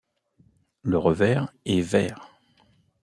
Le revers est vert.